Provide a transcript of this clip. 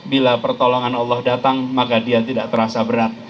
bila pertolongan allah datang maka dia tidak terasa berat